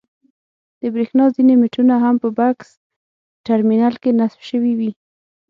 د برېښنا ځینې مېټرونه هم په بکس ټرمینل کې نصب شوي وي.